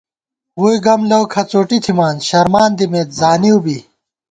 ووئی گم لَؤ کھڅوٹی تھِمان، شرمان دِمېت زانِؤ بی